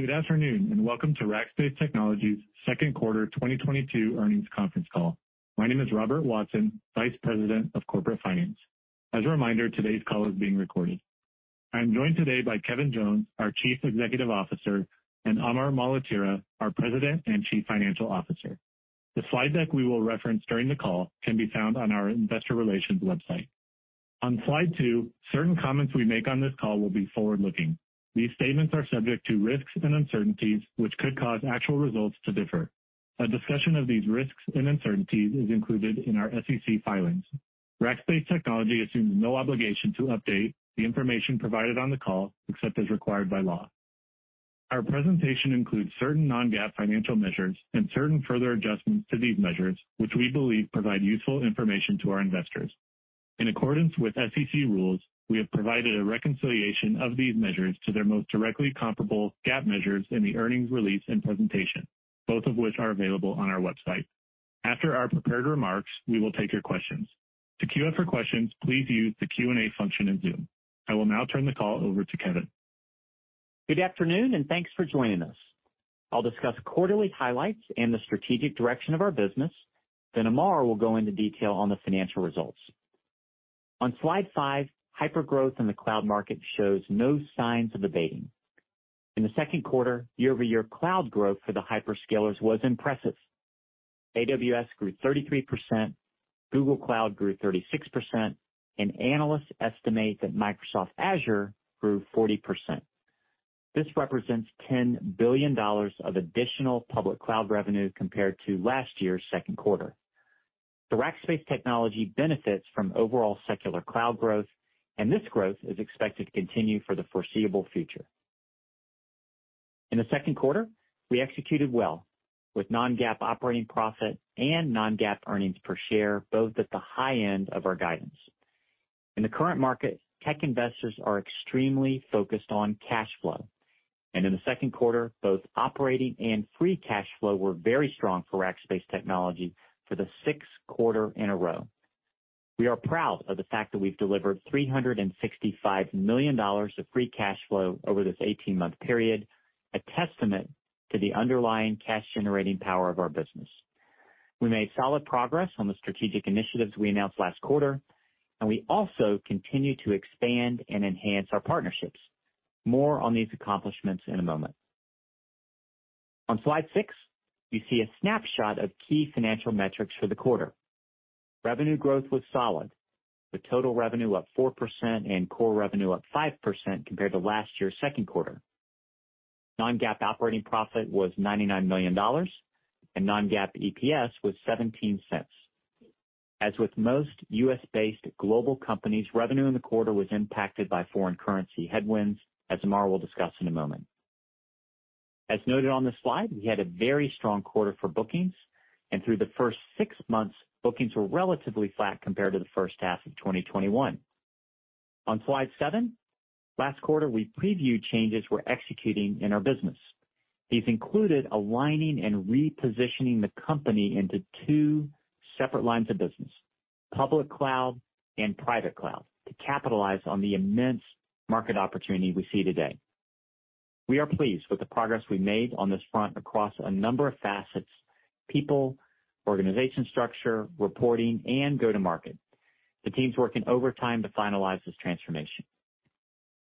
Good afternoon, and welcome to Rackspace Technology's second quarter 2022 earnings conference call. My name is Robert Watson, Vice President of Corporate Finance. As a reminder, today's call is being recorded. I'm joined today by Kevin Jones, our Chief Executive Officer, and Amar Maletira, our President and Chief Financial Officer. The slide deck we will reference during the call can be found on our investor relations website. On slide 2, certain comments we make on this call will be forward-looking. These statements are subject to risks and uncertainties which could cause actual results to differ. A discussion of these risks and uncertainties is included in our SEC filings. Rackspace Technology assumes no obligation to update the information provided on the call, except as required by law. Our presentation includes certain non-GAAP financial measures and certain further adjustments to these measures, which we believe provide useful information to our investors. In accordance with SEC rules, we have provided a reconciliation of these measures to their most directly comparable GAAP measures in the earnings release and presentation, both of which are available on our website. After our prepared remarks, we will take your questions. To queue up for questions, please use the Q&A function in Zoom. I will now turn the call over to Kevin. Good afternoon, and thanks for joining us. I'll discuss quarterly highlights and the strategic direction of our business. Amar will go into detail on the financial results. On slide 5, hypergrowth in the cloud market shows no signs of abating. In the second quarter, year-over-year cloud growth for the hyperscalers was impressive. AWS grew 33%, Google Cloud grew 36%, and analysts estimate that Microsoft Azure grew 40%. This represents $10 billion of additional Public Cloud revenue compared to last year's second quarter. The Rackspace Technology benefits from overall secular cloud growth, and this growth is expected to continue for the foreseeable future. In the second quarter, we executed well with non-GAAP operating profit and non-GAAP earnings per share, both at the high end of our guidance. In the current market, tech investors are extremely focused on cash flow. In the second quarter, both operating and free cash flow were very strong for Rackspace Technology for the sixth quarter in a row. We are proud of the fact that we've delivered $365 million of free cash flow over this 18-month period, a testament to the underlying cash-generating power of our business. We made solid progress on the strategic initiatives we announced last quarter, and we also continue to expand and enhance our partnerships. More on these accomplishments in a moment. On slide 6, you see a snapshot of key financial metrics for the quarter. Revenue growth was solid, with total revenue up 4% and core revenue up 5% compared to last year's second quarter. Non-GAAP operating profit was $99 million, and non-GAAP EPS was $0.17. As with most U.S.-based global companies, revenue in the quarter was impacted by foreign currency headwinds, as Amar will discuss in a moment. As noted on this slide, we had a very strong quarter for bookings, and through the first six months, bookings were relatively flat compared to the first half of 2021. On slide 7, last quarter, we previewed changes we're executing in our business. These included aligning and repositioning the company into two separate lines of business, Public Cloud and Private Cloud, to capitalize on the immense market opportunity we see today. We are pleased with the progress we made on this front across a number of facets, people, organization structure, reporting, and go-to-market. The team's working overtime to finalize this transformation.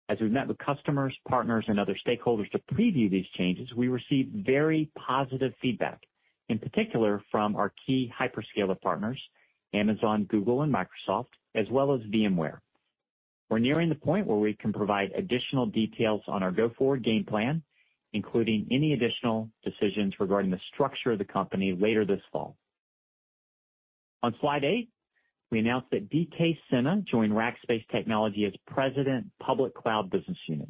As we've met with customers, partners, and other stakeholders to preview these changes, we received very positive feedback, in particular from our key hyperscaler partners, Amazon, Google, and Microsoft, as well as VMware. We're nearing the point where we can provide additional details on our go-forward game plan, including any additional decisions regarding the structure of the company later this fall. On slide 8, we announced that D K Sinha joined Rackspace Technology as President, Public Cloud Business Unit.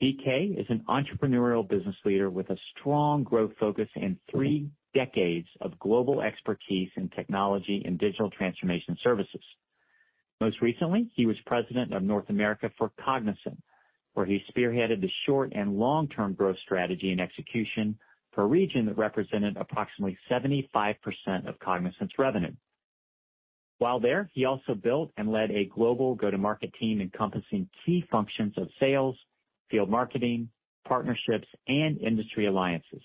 D K is an entrepreneurial business leader with a strong growth focus and three decades of global expertise in technology and digital transformation services. Most recently, he was president of North America for Cognizant, where he spearheaded the short and long-term growth strategy and execution for a region that represented approximately 75% of Cognizant's revenue. While there, he also built and led a global go-to-market team encompassing key functions of sales, field marketing, partnerships, and industry alliances.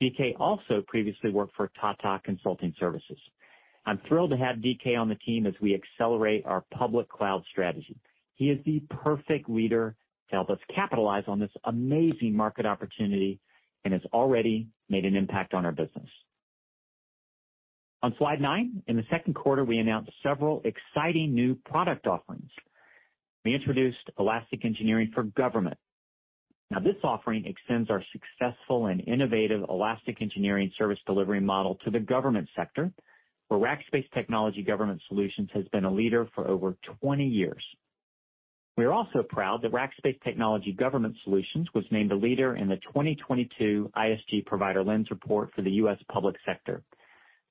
D K also previously worked for Tata Consultancy Services. I'm thrilled to have D K on the team as we accelerate our Public Cloud strategy. He is the perfect leader to help us capitalize on this amazing market opportunity and has already made an impact on our business. On slide 9, in the second quarter, we announced several exciting new product offerings. We introduced Elastic Engineering for Government. Now this offering extends our successful and innovative elastic engineering service delivery model to the government sector, where Rackspace Technology Government Solutions has been a leader for over 20 years. We are also proud that Rackspace Technology Government Solutions was named a leader in the 2022 ISG Provider Lens report for the U.S. public sector.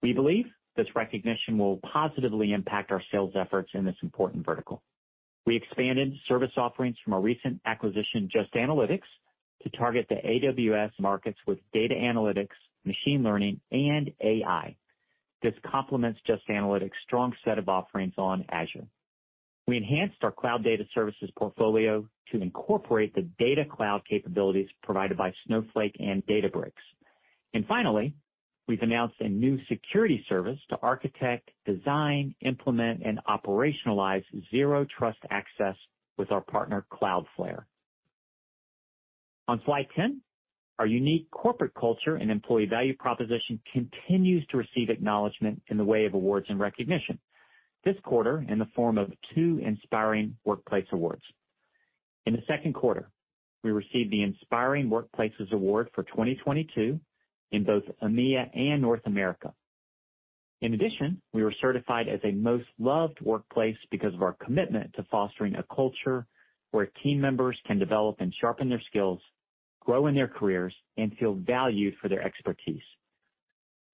We believe this recognition will positively impact our sales efforts in this important vertical. We expanded service offerings from our recent acquisition, Just Analytics, to target the AWS markets with data analytics, machine learning, and AI. This complements Just Analytics' strong set of offerings on Azure. We enhanced our cloud data services portfolio to incorporate the data cloud capabilities provided by Snowflake and Databricks. Finally, we've announced a new security service to architect, design, implement, and operationalize zero trust access with our partner, Cloudflare. On slide 10, our unique corporate culture and employee value proposition continues to receive acknowledgment in the way of awards and recognition this quarter in the form of two Inspiring Workplaces awards. In the second quarter, we received the Inspiring Workplaces Award for 2022 in both EMEA and North America. In addition, we were certified as a Most Loved Workplace because of our commitment to fostering a culture where team members can develop and sharpen their skills, grow in their careers, and feel valued for their expertise.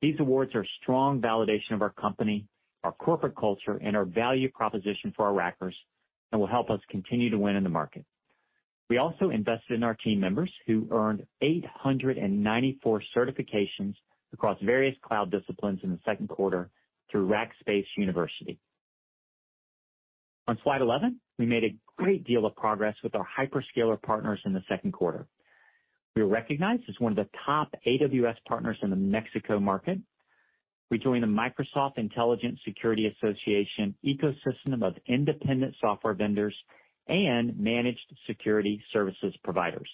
These awards are strong validation of our company, our corporate culture, and our value proposition for our Rackers and will help us continue to win in the market. We also invested in our team members, who earned 894 certifications across various cloud disciplines in the second quarter through Rackspace University. On slide 11, we made a great deal of progress with our hyperscaler partners in the second quarter. We were recognized as one of the top AWS partners in the Mexico market. We joined the Microsoft Intelligent Security Association ecosystem of independent software vendors and managed security services providers.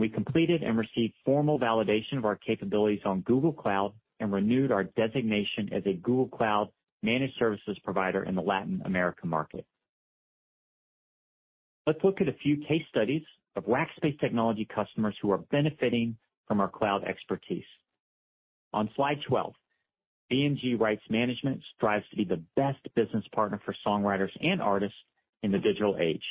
We completed and received formal validation of our capabilities on Google Cloud and renewed our designation as a Google Cloud managed services provider in the Latin America market. Let's look at a few case studies of Rackspace Technology customers who are benefiting from our cloud expertise. On slide 12, BMG Rights Management strives to be the best business partner for songwriters and artists in the digital age.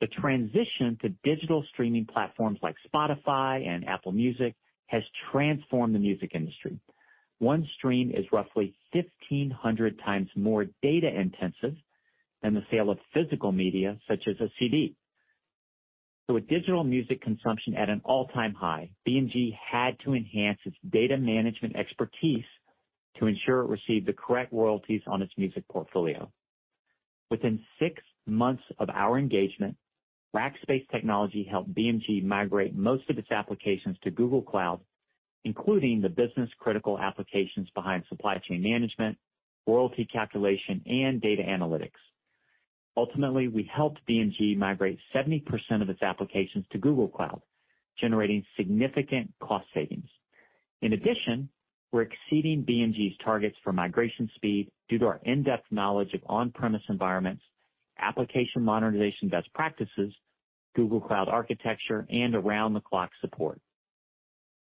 The transition to digital streaming platforms like Spotify and Apple Music has transformed the music industry. One stream is roughly 1,500 times more data intensive than the sale of physical media, such as a CD. With digital music consumption at an all-time high, BMG had to enhance its data management expertise to ensure it received the correct royalties on its music portfolio. Within six months of our engagement, Rackspace Technology helped BMG migrate most of its applications to Google Cloud, including the business-critical applications behind supply chain management, royalty calculation, and data analytics. Ultimately, we helped BMG migrate 70% of its applications to Google Cloud, generating significant cost savings. In addition, we're exceeding BMG's targets for migration speed due to our in-depth knowledge of on-premises environments, application modernization best practices, Google Cloud architecture, and around-the-clock support.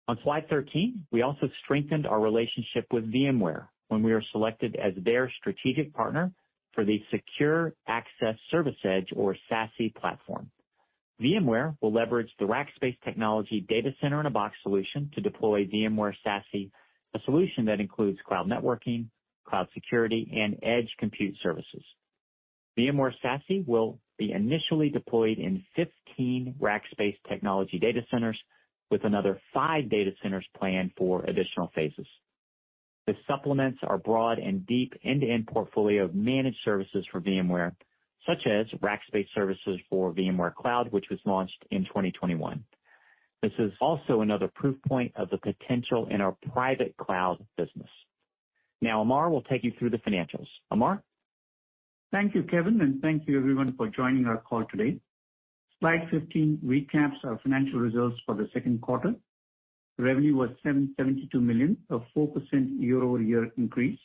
On slide 13, we also strengthened our relationship with VMware when we were selected as their strategic partner for the Secure Access Service Edge, or SASE platform. VMware will leverage the Rackspace Technology Data Center in a Box solution to deploy VMware SASE, a solution that includes cloud networking, cloud security, and edge compute services. VMware SASE will be initially deployed in 15 Rackspace Technology data centers with another five data centers planned for additional phases. This supplements our broad and deep end-to-end portfolio of managed services for VMware, such as Rackspace Services for VMware Cloud, which was launched in 2021. This is also another proof point of the potential in our Private Cloud business. Now, Amar will take you through the financials. Amar? Thank you, Kevin, and thank you everyone for joining our call today. Slide 15 recaps our financial results for the second quarter. Revenue was $772 million, a 4% year-over-year increase.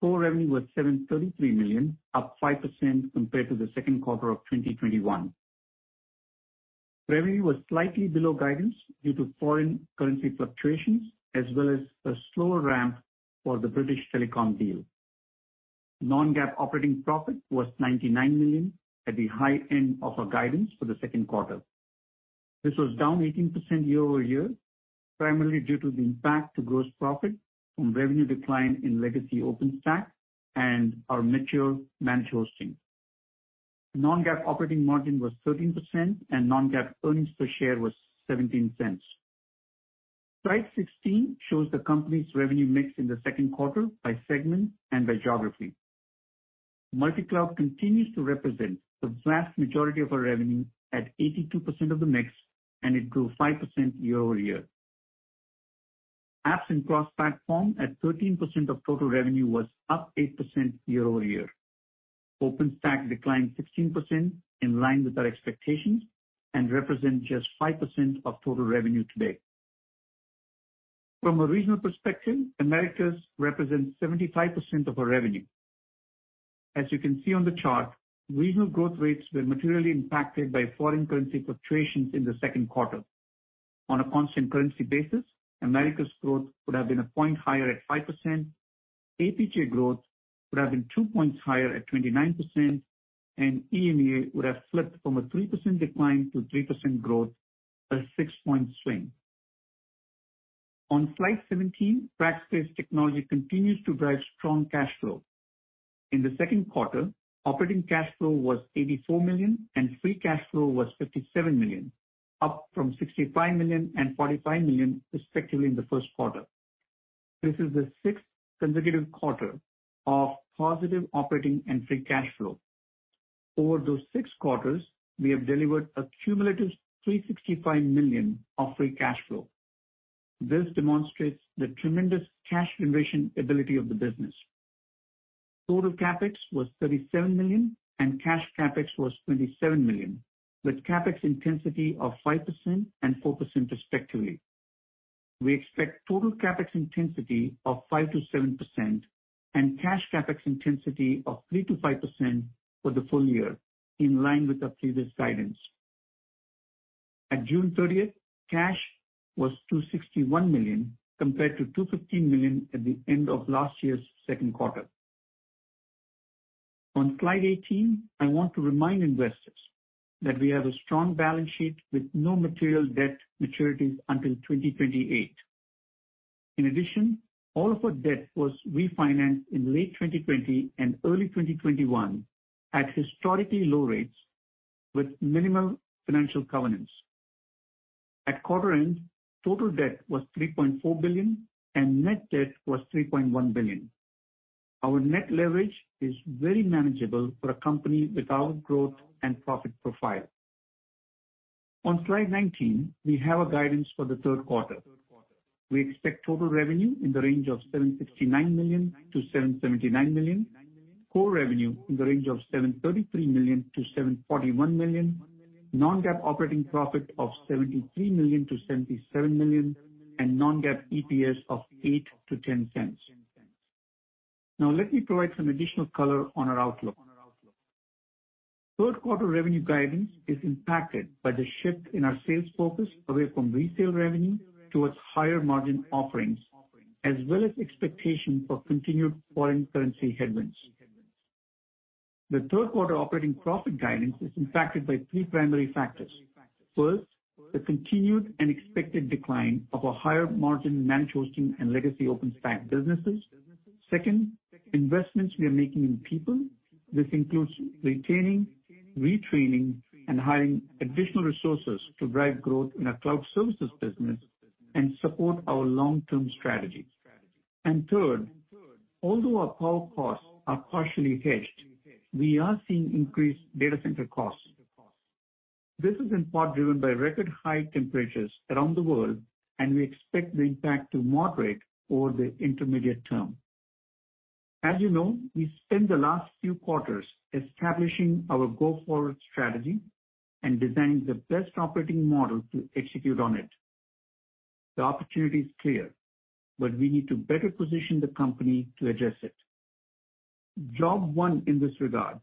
Core revenue was $733 million, up 5% compared to the second quarter of 2021. Revenue was slightly below guidance due to foreign currency fluctuations as well as a slower ramp for the British Telecom deal. Non-GAAP operating profit was $99 million at the high end of our guidance for the second quarter. This was down 18% year-over-year, primarily due to the impact to gross profit from revenue decline in legacy OpenStack and our mature managed hosting. Non-GAAP operating margin was 13% and non-GAAP earnings per share was $0.17. Slide 16 shows the company's revenue mix in the second quarter by segment and by geography. Multicloud continues to represent the vast majority of our revenue at 82% of the mix, and it grew 5% year-over-year. Apps and cross platform at 13% of total revenue was up 8% year-over-year. OpenStack declined 16% in line with our expectations and represent just 5% of total revenue today. From a regional perspective, Americas represents 75% of our revenue. As you can see on the chart, regional growth rates were materially impacted by foreign currency fluctuations in the second quarter. On a constant currency basis, Americas growth would have been 1 point higher at 5%. APJ growth would have been 2 points higher at 29%, and EMEA would have flipped from a 3% decline to 3% growth, a 6-point swing. On slide 17, Rackspace Technology continues to drive strong cash flow. In the second quarter, operating cash flow was $84 million, and free cash flow was $57 million, up from $65 million and $45 million respectively in the first quarter. This is the sixth consecutive quarter of positive operating and free cash flow. Over those six quarters, we have delivered a cumulative $365 million of free cash flow. This demonstrates the tremendous cash generation ability of the business. Total CapEx was $37 million, and cash CapEx was $27 million, with CapEx intensity of 5% and 4%, respectively. We expect total CapEx intensity of 5%-7% and cash CapEx intensity of 3%-5% for the full year, in line with our previous guidance. At June thirtieth, cash was $261 million compared to $215 million at the end of last year's second quarter. On slide 18, I want to remind investors that we have a strong balance sheet with no material debt maturities until 2028. In addition, all of our debt was refinanced in late 2020 and early 2021 at historically low rates with minimal financial covenants. At quarter end, total debt was $3.4 billion, and net debt was $3.1 billion. Our net leverage is very manageable for a company with our growth and profit profile. On slide 19, we have a guidance for the third quarter. We expect total revenue in the range of $769 million-$779 million, core revenue in the range of $733 million-$741 million, non-GAAP operating profit of $73 million-$77 million, and non-GAAP EPS of $0.08-$0.10. Now let me provide some additional color on our outlook. Third quarter revenue guidance is impacted by the shift in our sales focus away from resale revenue towards higher-margin offerings, as well as expectation for continued foreign currency headwinds. The third quarter operating profit guidance is impacted by three primary factors. First, the continued and expected decline of our higher-margin managed hosting and legacy OpenStack businesses. Second, investments we are making in people. This includes retaining, retraining, and hiring additional resources to drive growth in our cloud services business and support our long-term strategy. Third, although our power costs are partially hedged, we are seeing increased data center costs. This is in part driven by record high temperatures around the world, and we expect the impact to moderate over the intermediate term. As you know, we spent the last few quarters establishing our go-forward strategy and designing the best operating model to execute on it. The opportunity is clear, but we need to better position the company to address it. Job one in this regard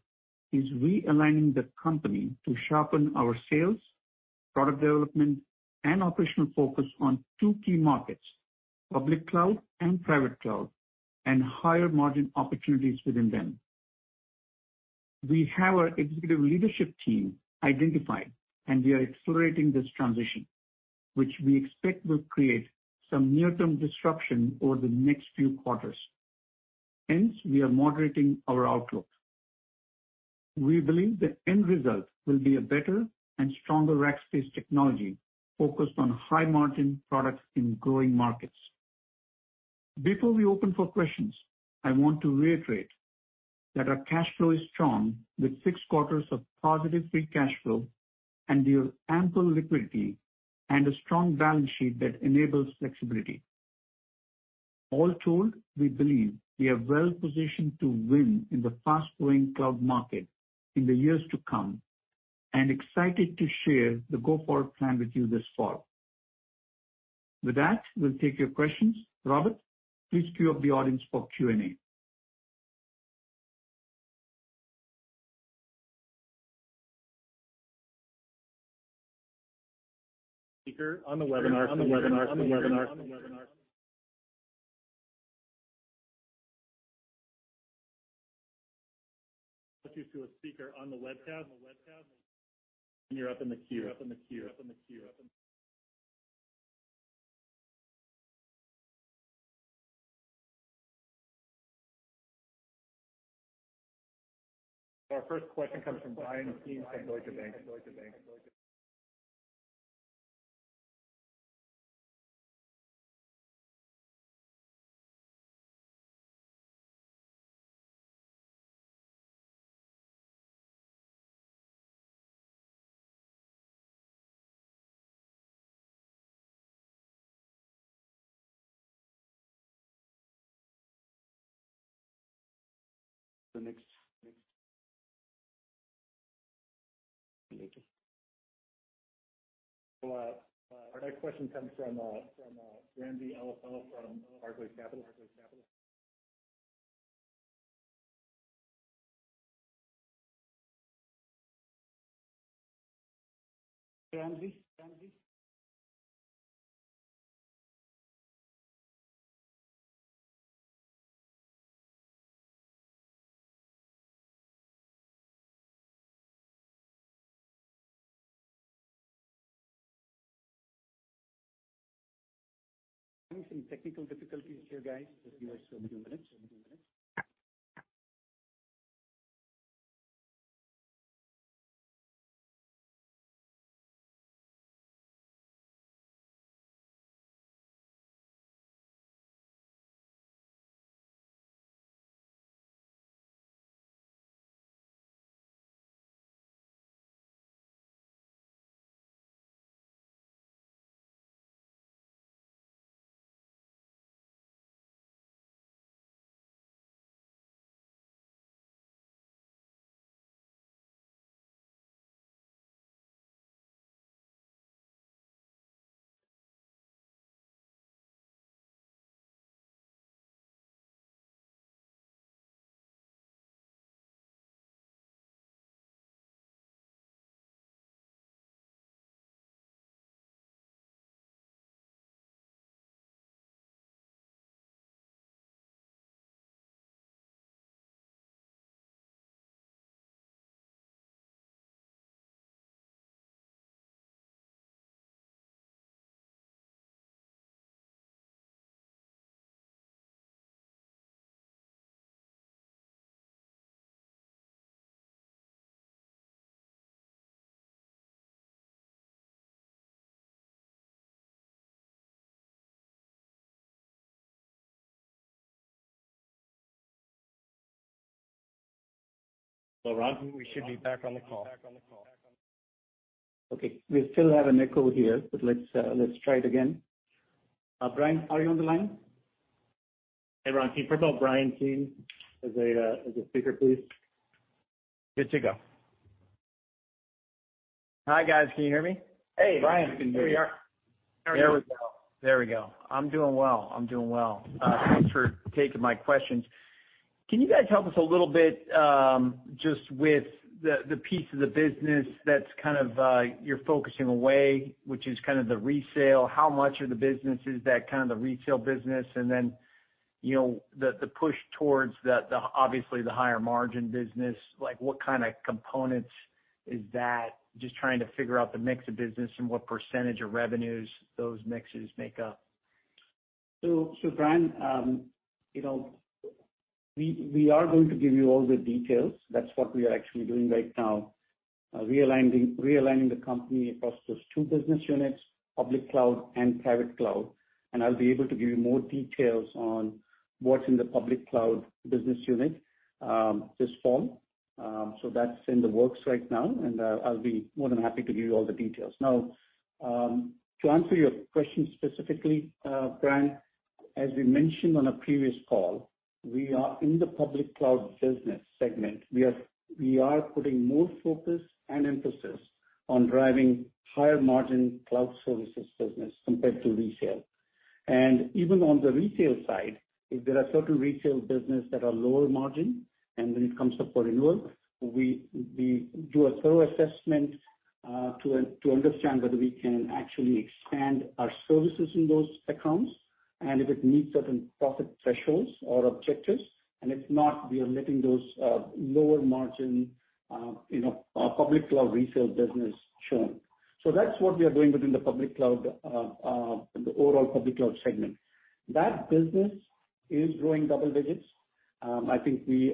is realigning the company to sharpen our sales, product development, and operational focus on two key markets, Public Cloud and Private Cloud, and higher-margin opportunities within them. We have our executive leadership team identified, and we are accelerating this transition, which we expect will create some near-term disruption over the next few quarters. Hence, we are moderating our outlook. We believe the end result will be a better and stronger Rackspace Technology focused on high-margin products in growing markets. Before we open for questions, I want to reiterate that our cash flow is strong with six quarters of positive free cash flow and with ample liquidity and a strong balance sheet that enables flexibility. All told, we believe we are well positioned to win in the fast-growing cloud market in the years to come and excited to share the go-forward plan with you this fall. With that, we'll take your questions. Robert, please queue up the audience for Q&A. Speaker on the webinar. The next- Thank you. Our next question comes from Ramsey El-Assal from Barclays Capital. Ramsey? Having some technical difficulties here, guys. Give us a few minutes. Hello, Rob. We should be back on the call. Okay. We still have an echo here, but let's try it again. Bryan, are you on the line? Hey, Rob. Can you put Bryan Keane as a speaker, please? Good to go. Hi, guys. Can you hear me? Hey, Bryan. We can hear you. There we go. I'm doing well. Thanks for taking my questions. Can you guys help us a little bit, just with the piece of the business that's kind of you're focusing away, which is kind of the resale. How much of the business is that kind of the resale business? And then, you know, the push towards the obviously the higher margin business. Like, what kinda components is that? Just trying to figure out the mix of business and what percentage of revenues those mixes make up. Bryan, you know, we are going to give you all the details. That's what we are actually doing right now, realigning the company across those two business units, Public Cloud and Private Cloud. I'll be able to give you more details on what's in the Public Cloud business unit this fall. That's in the works right now, and I'll be more than happy to give you all the details. Now, to answer your question specifically, Bryan, as we mentioned on a previous call, we are in the Public Cloud business segment. We are putting more focus and emphasis on driving higher margin cloud services business compared to resale. Even on the resale side, if there are certain resale business that are lower margin, and when it comes up for renewal, we do a thorough assessment to understand whether we can actually expand our services in those accounts and if it meets certain profit thresholds or objectives. If not, we are letting those lower margin, you know, Public Cloud resale business churn. That's what we are doing within the Public Cloud, the overall Public Cloud segment. That business is growing double digits. I think we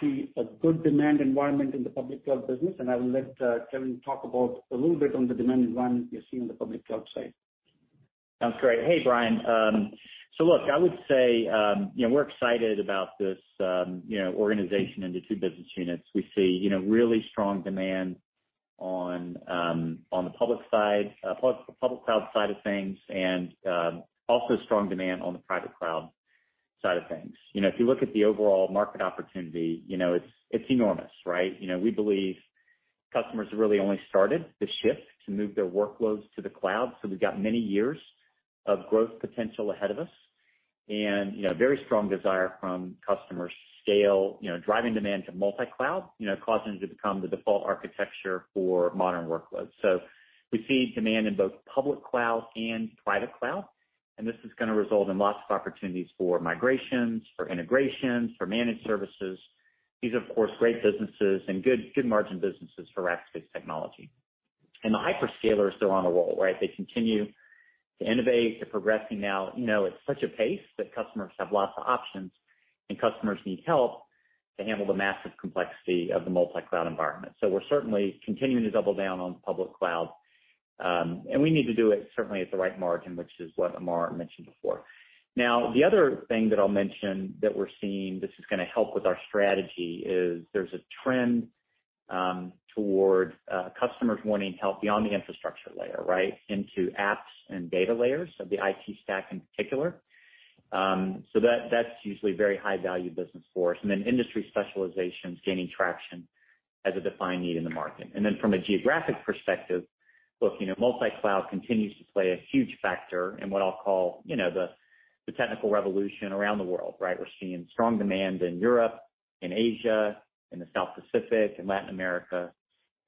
see a good demand environment in the Public Cloud business, and I will let Kevin talk about a little bit on the demand environment we are seeing on the Public Cloud side. Sounds great. Hey, Bryan. I would say, you know, we're excited about this organization into two business units. We see, you know, really strong demand on the Public Cloud side of things and also strong demand on the Private Cloud side of things. You know, if you look at the overall market opportunity, you know, it's enormous, right? You know, we believe customers have really only started the shift to move their workloads to the cloud. We've got many years of growth potential ahead of us and, you know, very strong desire from customers to scale, you know, driving demand to multi-cloud, you know, causing it to become the default architecture for modern workloads. We see demand in both Public Cloud and Private Cloud, and this is gonna result in lots of opportunities for migrations, for integrations, for managed services. These, of course, great businesses and good margin businesses for Rackspace Technology. The hyperscalers are still on a roll, right? They continue to innovate. They're progressing now, you know, at such a pace that customers have lots of options, and customers need help to handle the massive complexity of the multicloud environment. We're certainly continuing to double down on Public Cloud, and we need to do it certainly at the right margin, which is what Amar mentioned before. Now, the other thing that I'll mention that we're seeing that is gonna help with our strategy is there's a trend toward customers wanting help beyond the infrastructure layer, right? Into apps and data layers of the IT stack in particular. That's usually very high value business for us. Industry specializations gaining traction as a defined need in the market. From a geographic perspective, look, you know, multi-cloud continues to play a huge factor in what I'll call, you know, the technical revolution around the world, right? We're seeing strong demand in Europe and Asia, in the South Pacific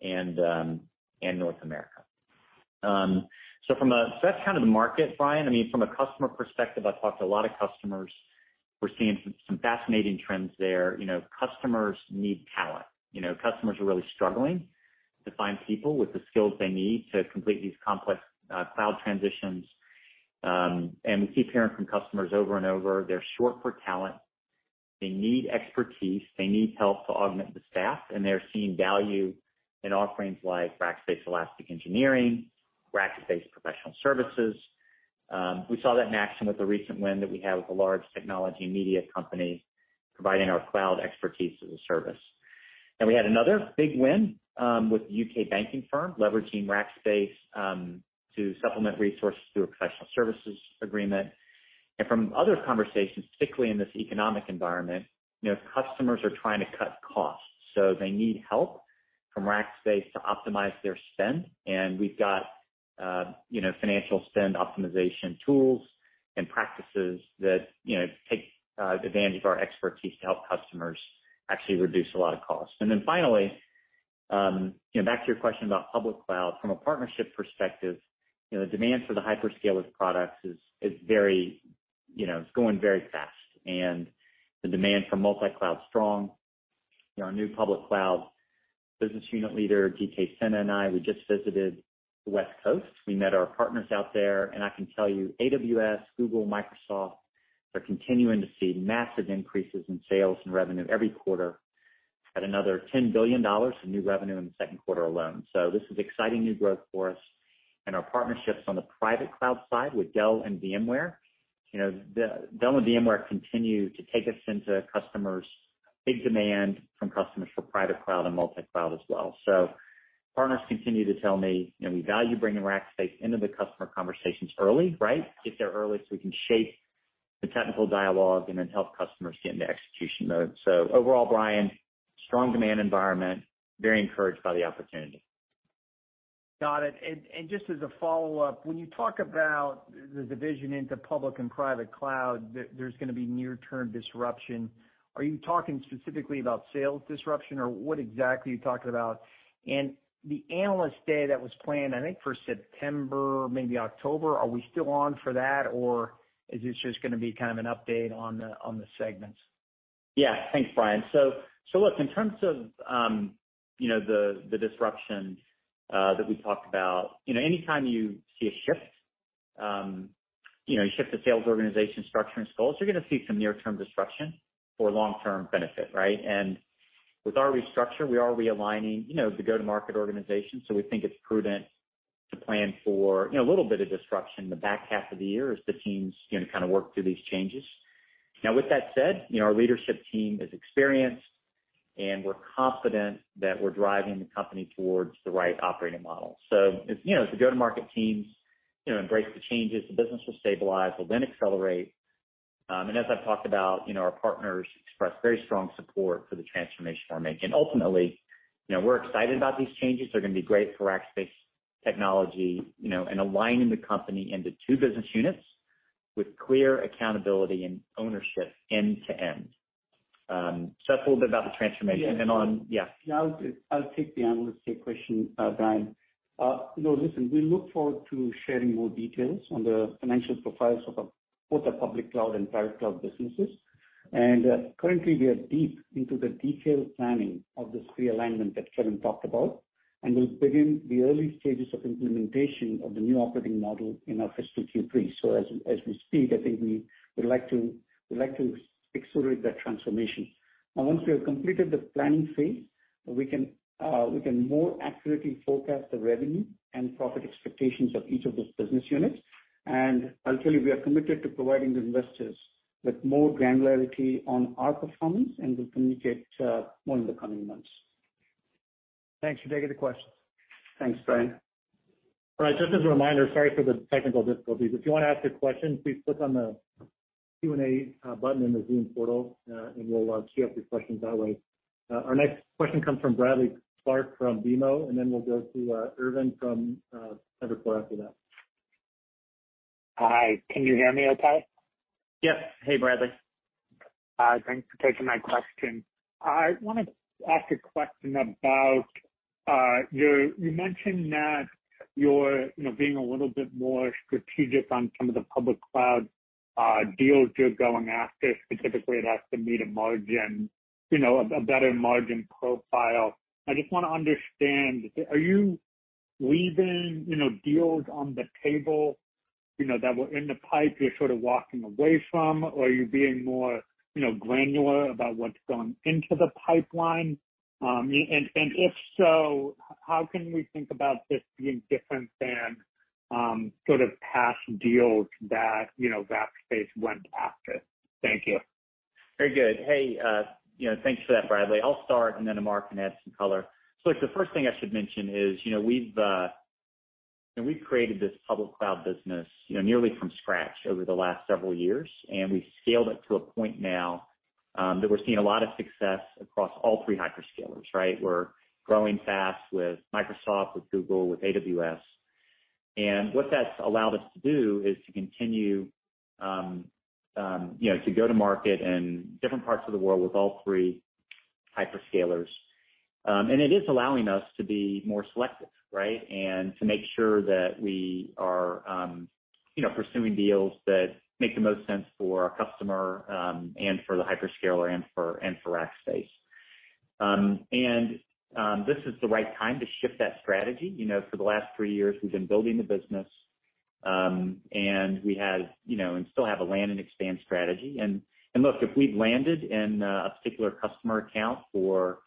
and Latin America and North America. That's kind of the market, Bryan. I mean, from a customer perspective, I've talked to a lot of customers. We're seeing some fascinating trends there. You know, customers need talent. You know, customers are really struggling to find people with the skills they need to complete these complex cloud transitions. We keep hearing from customers over and over, they're short for talent, they need expertise, they need help to augment the staff, and they're seeing value in offerings like Rackspace Elastic Engineering, Rackspace Professional Services. We saw that in action with the recent win that we had with a large technology and media company providing our cloud expertise as a service. We had another big win with a U.K. banking firm leveraging Rackspace to supplement resources through a professional services agreement. From other conversations, particularly in this economic environment, you know, customers are trying to cut costs, so they need help from Rackspace to optimize their spend. We've got, you know, financial spend optimization tools and practices that, you know, take advantage of our expertise to help customers actually reduce a lot of costs. Finally, you know, back to your question about Public Cloud. From a partnership perspective, you know, the demand for the hyperscalers products is very, you know, is going very fast. The demand for multicloud is strong. You know, our new Public Cloud business unit leader, D K Sinha, and I, we just visited the West Coast. We met our partners out there, and I can tell you AWS, Google, Microsoft are continuing to see massive increases in sales and revenue every quarter at another $10 billion of new revenue in the second quarter alone. This is exciting new growth for us. Our partnerships on the Private Cloud side with Dell and VMware, you know, Dell and VMware continue to take us into customers. Big demand from customers for Private Cloud and multicloud as well. Partners continue to tell me, you know, we value bringing Rackspace into the customer conversations early, right? Get there early, so we can shape the technical dialogue and then help customers get into execution mode. Overall, Bryan, strong demand environment, very encouraged by the opportunity. Got it. Just as a follow-up, when you talk about the division into Public Cloud and Private Cloud, there's gonna be near-term disruption. Are you talking specifically about sales disruption, or what exactly are you talking about? The Analyst Day that was planned, I think for September, maybe October, are we still on for that, or is this just gonna be kind of an update on the segments? Yeah. Thanks, Bryan. Look, in terms of, you know, the disruption that we talked about, you know, anytime you see a shift, you know, you shift the sales organization structure and goals, you're gonna see some near-term disruption for long-term benefit, right? With our restructure, we are realigning, you know, the go-to-market organization, so we think it's prudent to plan for, you know, a little bit of disruption in the back half of the year as the teams, you know, kind of work through these changes. Now with that said, you know, our leadership team is experienced, and we're confident that we're driving the company towards the right operating model. If, you know, as the go-to-market teams, you know, embrace the changes, the business will stabilize, will then accelerate. As I've talked about, you know, our partners express very strong support for the transformation we're making. Ultimately, you know, we're excited about these changes. They're gonna be great for Rackspace Technology, you know, and aligning the company into two business units with clear accountability and ownership end to end. That's a little bit about the transformation. On- Yeah. Yeah. I'll take the analyst day question, Bryan. You know, listen, we look forward to sharing more details on the financial profiles of our both the Public Cloud and Private Cloud businesses. Currently, we are deep into the detailed planning of this realignment that Kevin talked about, and we'll begin the early stages of implementation of the new operating model in our fiscal 2023. As we speak, I think we would like to, we'd like to accelerate that transformation. Now, once we have completed the planning phase, we can more accurately forecast the revenue and profit expectations of each of those business units. Ultimately, we are committed to providing the investors with more granularity on our performance, and we'll communicate more in the coming months. Thanks for taking the questions. Thanks, Bryan. All right. Just as a reminder, sorry for the technical difficulties. If you wanna ask a question, please click on the Q&A button in the Zoom portal, and we'll queue up your questions that way. Our next question comes from Bradley Clark from BMO, and then we'll go to Irvin Liu from Evercore after that. Hi. Can you hear me okay? Yes. Hey, Bradley. Thanks for taking my question. I wanna ask a question about, you mentioned that you're, you know, being a little bit more strategic on some of the Public Cloud deals you're going after. Specifically, it has to meet a margin, you know, a better margin profile. I just wanna understand, are you leaving, you know, deals on the table, you know, that were in the pipe you're sort of walking away from, or are you being more, you know, granular about what's going into the pipeline? And if so, how can we think about this being different than sort of past deals that, you know, Rackspace went after? Thank you. Very good. Hey, you know, thanks for that, Bradley. I'll start, and then Amar can add some color. Look, the first thing I should mention is, you know, we've created this Public Cloud business, you know, nearly from scratch over the last several years, and we've scaled it to a point now, that we're seeing a lot of success across all three hyperscalers, right? We're growing fast with Microsoft, with Google, with AWS. What that's allowed us to do is to continue, you know, to go to market in different parts of the world with all three hyperscalers. It is allowing us to be more selective, right? To make sure that we are, you know, pursuing deals that make the most sense for our customer, and for the hyperscaler and for Rackspace. This is the right time to shift that strategy. You know, for the last three years we've been building the business, and we had, you know, and still have a land and expand strategy. Look, if we've landed in a particular customer account for,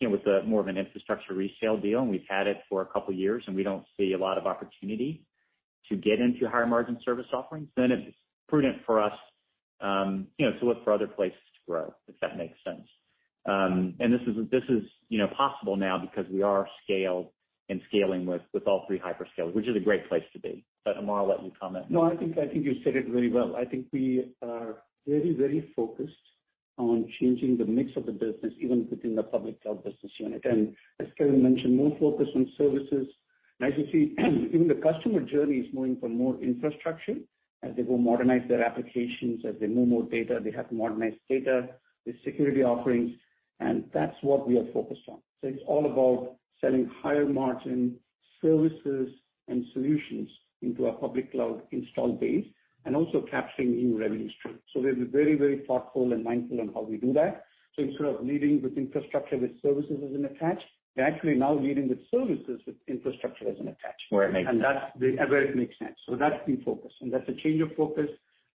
you know, with a more of an infrastructure resale deal, and we've had it for a couple years, and we don't see a lot of opportunity to get into higher margin service offerings, then it's prudent for us, you know, to look for other places to grow, if that makes sense. This is, you know, possible now because we are scaled and scaling with all three hyperscalers, which is a great place to be. Amar, I'll let you comment. No, I think you said it very well. I think we are very, very focused on changing the mix of the business, even within the Public Cloud business unit. As Kevin mentioned, more focus on services. As you see, even the customer journey is moving for more infrastructure as they go modernize their applications, as they move more data, they have to modernize data, the security offerings, and that's what we are focused on. It's all about selling higher margin services and solutions into our Public Cloud install base, and also capturing new revenue streams. We're very, very thoughtful and mindful on how we do that. Instead of leading with infrastructure with services as an attach, we're actually now leading with services with infrastructure as an attach. Where it makes sense. Where it makes sense. That's the focus. That's a change of focus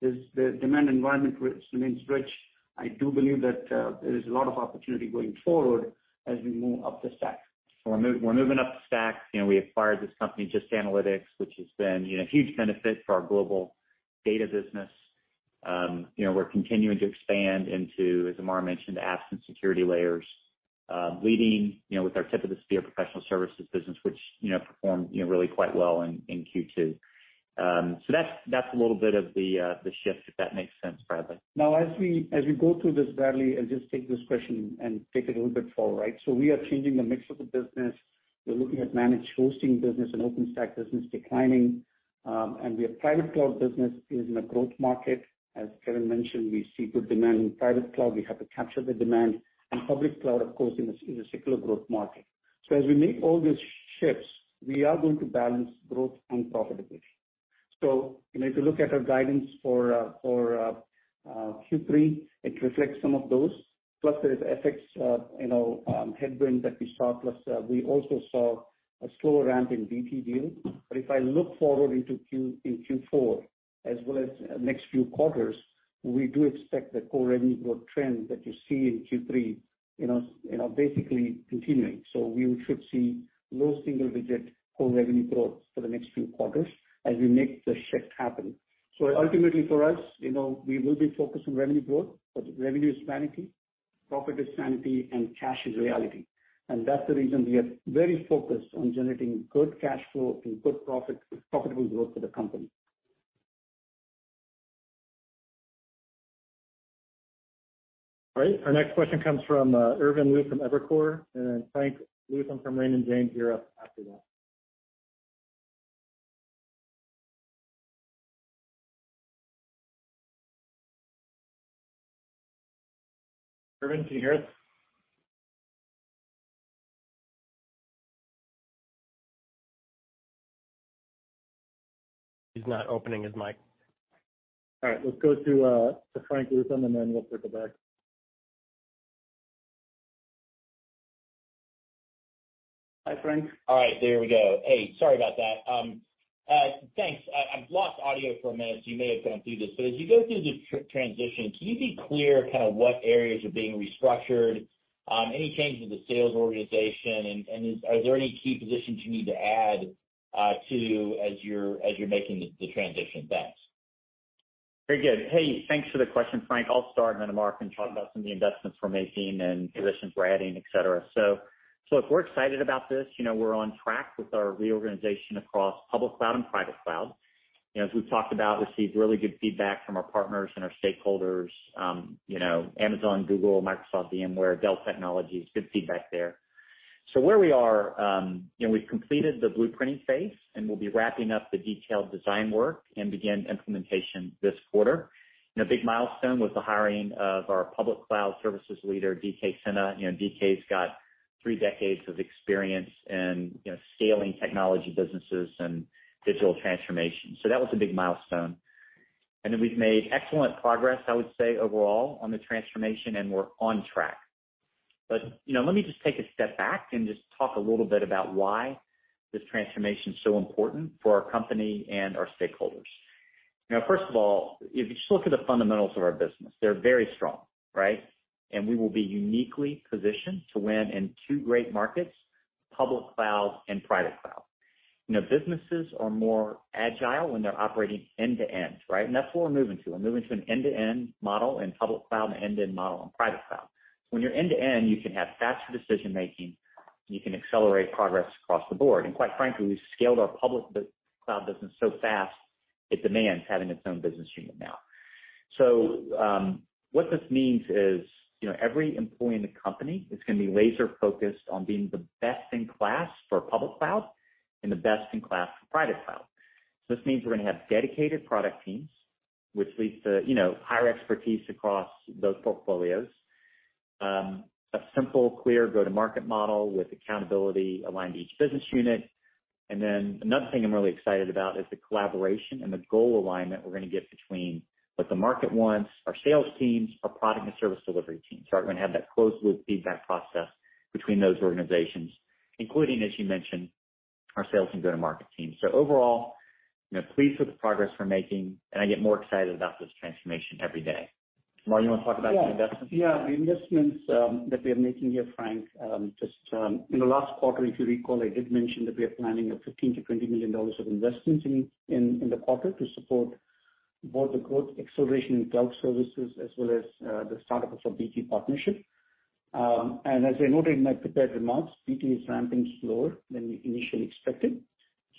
as the demand environment remains rich. I do believe that there is a lot of opportunity going forward as we move up the stack. We're moving up the stack. We acquired this company, Just Analytics, which has been huge benefit for our global data business. We're continuing to expand into, as Amar mentioned, apps and security layers, leading with our tip-of-the-spear professional services business, which performed really quite well in Q2. That's a little bit of the shift, if that makes sense, Bradley. Now as we go through this, Bradley, I'll just take this question and take it a little bit forward, right? We are changing the mix of the business. We're looking at managed hosting business and OpenStack business declining. We have Private Cloud business is in a growth market. As Kevin mentioned, we see good demand in Private Cloud. We have to capture the demand. Public cloud of course in a secular growth market. As we make all these shifts, we are going to balance growth and profitability. You know, if you look at our guidance for Q3, it reflects some of those. Plus there's FX headwind that we saw, plus we also saw a slower ramp in BT deal. If I look forward into Q3 in Q4 as well as next few quarters, we do expect the core revenue growth trend that you see in Q3, you know, basically continuing. We should see low single-digit core revenue growth for the next few quarters as we make the shift happen. Ultimately for us, you know, we will be focused on revenue growth, but revenue is vanity, profit is sanity, and cash is reality. That's the reason we are very focused on generating good cash flow and good profit, profitable growth for the company. All right, our next question comes from Irvin Liu from Evercore, and then Frank Louthan from Raymond James after that. Irvin, can you hear us? He's not opening his mic. All right. Let's go to Frank Louthan, and then we'll circle back. Hi, Frank. All right, there we go. Hey, sorry about that. Thanks. I've lost audio for a minute, so you may have gone through this. As you go through this transition, can you be clear kind of what areas are being restructured? Any change in the sales organization? Are there any key positions you need to add to as you're making the transition? Thanks. Very good. Hey, thanks for the question, Frank. I'll start, and then Amar can talk about some of the investments we're making and positions we're adding, et cetera. Look, we're excited about this. You know, we're on track with our reorganization across Public Cloud and Private Cloud. You know, as we've talked about, received really good feedback from our partners and our stakeholders, you know, Amazon, Google, Microsoft, VMware, Dell Technologies. Good feedback there. Where we are, you know, we've completed the blueprinting phase, and we'll be wrapping up the detailed design work and begin implementation this quarter. You know, big milestone was the hiring of our Public Cloud services leader, D K Sinha. You know, D K's got three decades of experience in, you know, scaling technology businesses and digital transformation. That was a big milestone. Then we've made excellent progress, I would say, overall on the transformation, and we're on track. You know, let me just take a step back and just talk a little bit about why this transformation is so important for our company and our stakeholders. You know, first of all, if you just look at the fundamentals of our business, they're very strong, right? We will be uniquely positioned to win in two great markets, Public Cloud and Private Cloud. You know, businesses are more agile when they're operating end-to-end, right? That's what we're moving to. We're moving to an end-to-end model in Public Cloud and end-to-end model in Private Cloud. When you're end-to-end, you can have faster decision-making, you can accelerate progress across the board. Quite frankly, we've scaled our Public Cloud business so fast it demands having its own business unit now. What this means is, you know, every employee in the company is gonna be laser focused on being the best in class for Public Cloud and the best in class for Private Cloud. This means we're gonna have dedicated product teams, which leads to, you know, higher expertise across those portfolios. A simple, clear go-to-market model with accountability aligned to each business unit. Another thing I'm really excited about is the collaboration and the goal alignment we're gonna get between what the market wants, our sales teams, our product and service delivery teams. We're gonna have that closed-loop feedback process between those organizations, including, as you mentioned, our sales and go-to-market team. Overall, you know, pleased with the progress we're making, and I get more excited about this transformation every day. Amar, you wanna talk about the investments? Yeah. Yeah, the investments that we are making here, Frank, just in the last quarter, if you recall, I did mention that we are planning $15 million-$20 million of investments in the quarter to support both the growth acceleration in cloud services as well as the start-up of our BT partnership. As I noted in my prepared remarks, BT is ramping slower than we initially expected.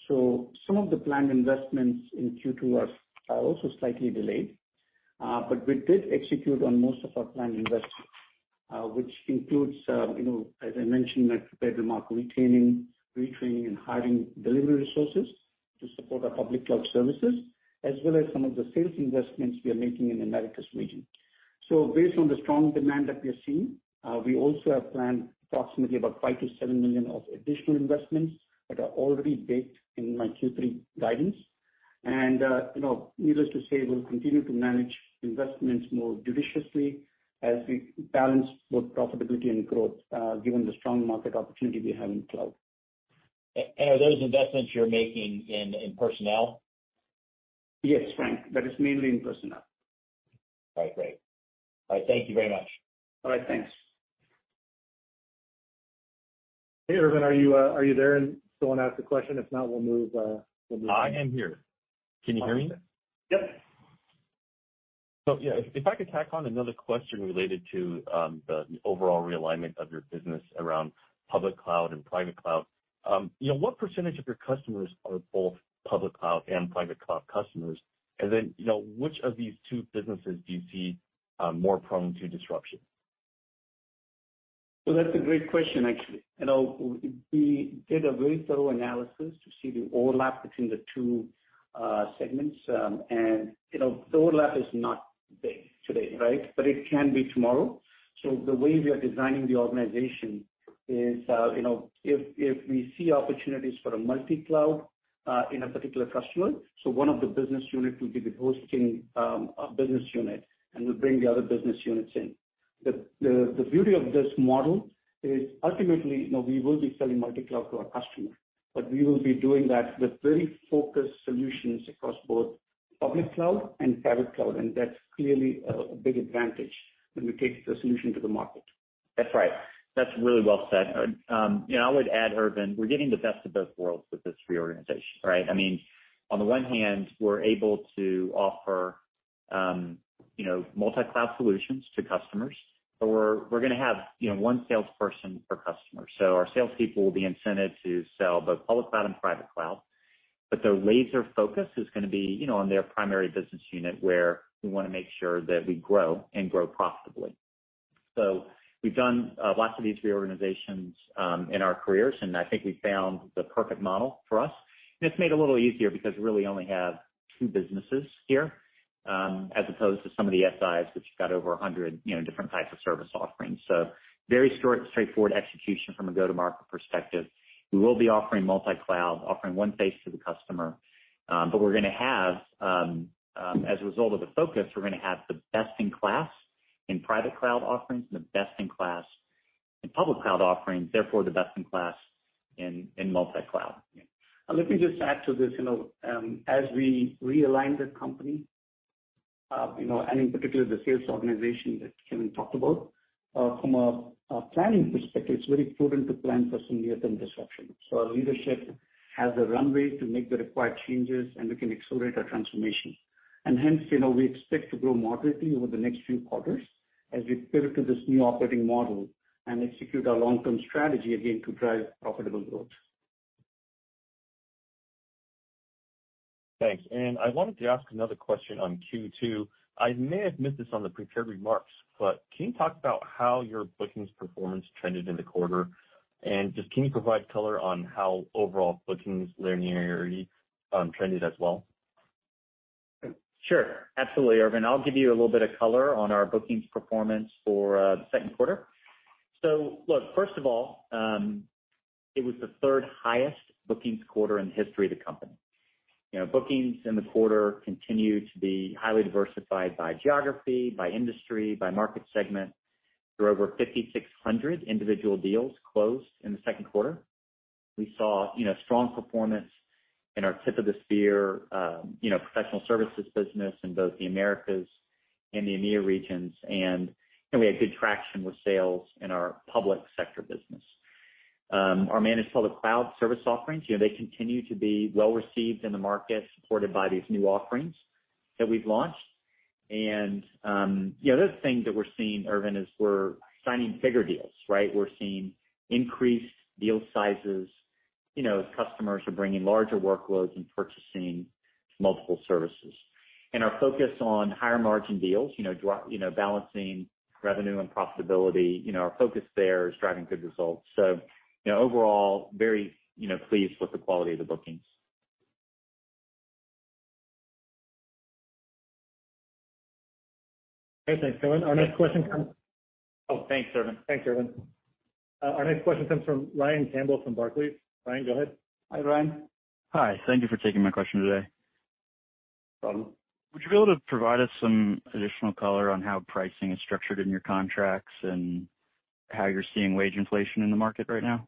Some of the planned investments in Q2 are also slightly delayed. We did execute on most of our planned investments, which includes, you know, as I mentioned in my prepared remark, retaining, retraining and hiring delivery resources to support our Public Cloud services, as well as some of the sales investments we are making in Americas region. Based on the strong demand that we are seeing, we also have planned approximately about $5 million-$7 million of additional investments that are already baked in my Q3 guidance. You know, needless to say, we'll continue to manage investments more judiciously as we balance both profitability and growth, given the strong market opportunity we have in cloud. Are those investments you're making in personnel? Yes, Frank, that is mainly in personnel. All right, great. All right, thank you very much. All right, thanks. Hey, Irvin, are you there and still wanna ask the question? If not, we'll move on. I am here. Can you hear me? Yep. Yeah, if I could tack on another question related to the overall realignment of your business around Public Cloud and Private Cloud. You know, what percentage of your customers are both Public Cloud and Private Cloud customers? Then, you know, which of these two businesses do you see more prone to disruption? That's a great question, actually. You know, we did a very thorough analysis to see the overlap between the two segments. You know, the overlap is not big today, right? It can be tomorrow. The way we are designing the organization is, you know, if we see opportunities for a multi-cloud in a particular customer, so one of the business unit will be the hosting business unit, and we'll bring the other business units in. The beauty of this model is ultimately, you know, we will be selling multi-cloud to our customers, but we will be doing that with very focused solutions across both Public Cloud and Private Cloud, and that's clearly a big advantage when we take the solution to the market. That's right. That's really well said. You know, I would add, Irvin, we're getting the best of both worlds with this reorganization, right? I mean, on the one hand, we're able to offer, you know, multi-cloud solutions to customers, or we're gonna have, you know, one salesperson per customer. So our salespeople will be incented to sell both Public Cloud and Private Cloud, but their laser focus is gonna be, you know, on their primary business unit where we wanna make sure that we grow and grow profitably. So we've done lots of these reorganizations in our careers, and I think we found the perfect model for us. It's made a little easier because we really only have two businesses here as opposed to some of the SIs which have got over a hundred, you know, different types of service offerings. Very straightforward execution from a go-to-market perspective. We will be offering multi-cloud, offering one face to the customer, but we're gonna have, as a result of the focus, we're gonna have the best in class in Private Cloud offerings and the best in class in Public Cloud offerings, therefore the best in class in multi-cloud. Let me just add to this, you know, as we realign the company, you know, and in particular the sales organization that Kevin talked about, from a planning perspective, it's very prudent to plan for some near-term disruption. Our leadership has the runway to make the required changes, and we can accelerate our transformation. Hence, you know, we expect to grow moderately over the next few quarters as we pivot to this new operating model and execute our long-term strategy again to drive profitable growth. Thanks. I wanted to ask another question on Q2. I may have missed this on the prepared remarks, but can you talk about how your bookings performance trended in the quarter? Just can you provide color on how overall bookings linearity trended as well? Sure. Absolutely, Irvin. I'll give you a little bit of color on our bookings performance for the second quarter. Look, first of all, it was the third highest bookings quarter in the history of the company. You know, bookings in the quarter continued to be highly diversified by geography, by industry, by market segment. There were over 5,600 individual deals closed in the second quarter. We saw, you know, strong performance in our tip-of-the-spear, you know, professional services business in both the Americas and the EMEA regions. You know, we had good traction with sales in our public sector business. Our managed Public Cloud service offerings, you know, they continue to be well received in the market, supported by these new offerings that we've launched. The other thing that we're seeing, Irvin, is we're signing bigger deals, right? We're seeing increased deal sizes. You know, customers are bringing larger workloads and purchasing multiple services. Our focus on higher margin deals, you know, balancing revenue and profitability, you know, our focus there is driving good results. You know, overall, very, you know, pleased with the quality of the bookings. Okay. Thanks, Kevin. Our next question comes- Oh, thanks, Irvin. Thanks, Irvin. Our next question comes from Ryan Campbell from Barclays. Ryan, go ahead. Hi, Ryan. Hi. Thank you for taking my question today. Got it. Would you be able to provide us some additional color on how pricing is structured in your contracts and how you're seeing wage inflation in the market right now?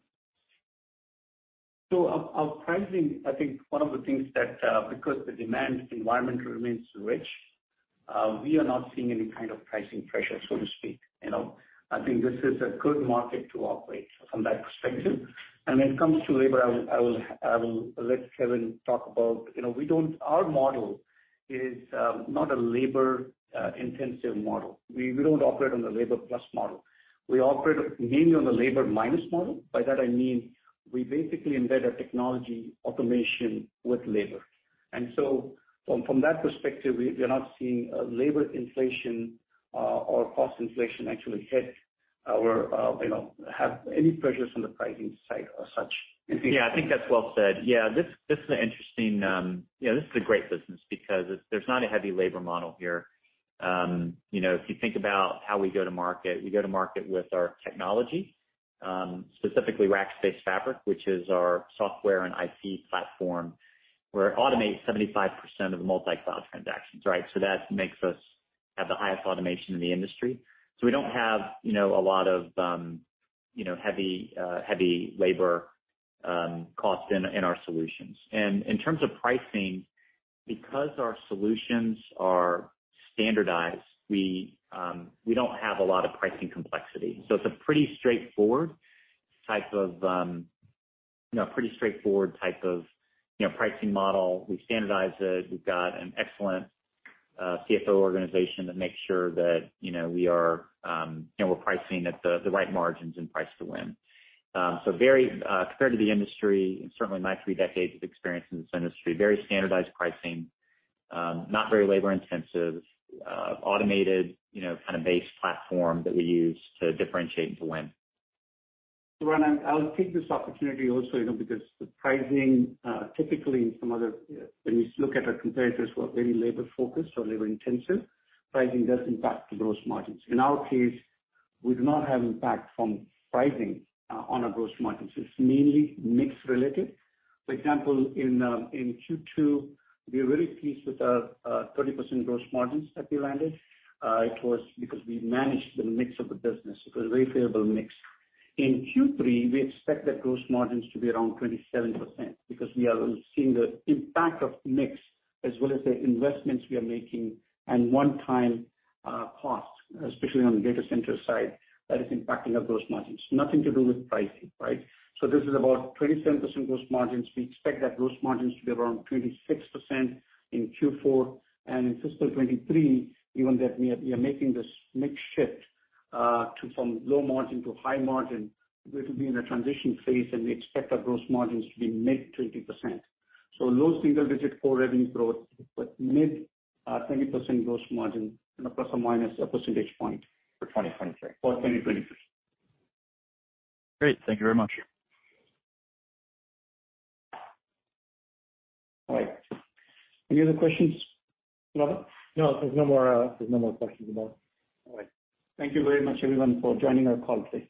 Our pricing, I think one of the things that, because the demand environment remains rich, we are not seeing any kind of pricing pressure, so to speak. You know, I think this is a good market to operate from that perspective. When it comes to labor, I will let Kevin talk about. You know, we don't. Our model is not a labor intensive model. We don't operate on the labor plus model. We operate mainly on the labor minus model. By that, I mean, we basically embed a technology automation with labor. From that perspective, we're not seeing a labor inflation or cost inflation actually hit our, you know, have any pressures on the pricing side as such. Yeah, I think that's well said. Yeah, this is an interesting, you know, this is a great business because there's not a heavy labor model here. You know, if you think about how we go to market with our technology, specifically Rackspace Fabric, which is our software and IP platform, where it automates 75% of the multicloud transactions, right? So that makes us have the highest automation in the industry. So we don't have, you know, a lot of, you know, heavy labor cost in our solutions. In terms of pricing, because our solutions are standardized, we don't have a lot of pricing complexity. So it's a pretty straightforward type of pricing model. We standardize it. We've got an excellent CFO organization that makes sure that, you know, we are, you know, we're pricing at the right margins and price to win. Very compared to the industry, and certainly my three decades of experience in this industry, very standardized pricing, not very labor-intensive, automated, you know, kind of base platform that we use to differentiate and to win. Ryan, I'll take this opportunity also, you know, because the pricing, typically in some other, when you look at our competitors who are very labor-focused or labor-intensive, pricing does impact the gross margins. In our case, we do not have impact from pricing, on our gross margins. It's mainly mix related. For example, in Q2, we are very pleased with our, thirty percent gross margins that we landed. It was because we managed the mix of the business. It was a very favorable mix. In Q3, we expect that gross margins to be around twenty-seven percent because we are seeing the impact of mix as well as the investments we are making and one-time, costs, especially on the data center side, that is impacting our gross margins. Nothing to do with pricing, right? This is about twenty-seven percent gross margins. We expect gross margins to be around 26% in Q4. In fiscal 2023, even though we are making this mix shift from low margin to high margin. We will be in a transition phase, and we expect our gross margins to be mid-20%. Low single-digit core revenue growth, but mid-20% gross margin and plus or minus a percentage point. For 2023. For 2023. Great. Thank you very much. All right. Any other questions, Robert? No, there's no more questions, Kevin. All right. Thank you very much, everyone, for joining our call today.